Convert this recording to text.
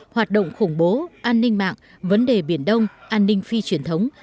hoạt động khủng bố an ninh mạng vấn đề biển đông an ninh phi truyền thống